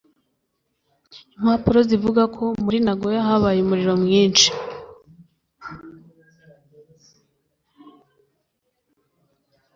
Impapuro zivuga ko muri Nagoya habaye umuriro mwinshi